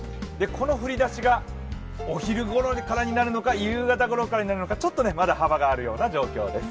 この降り出しがお昼頃からになるのか夕方ごろからになるのかちょっとまだ幅があるような状況です。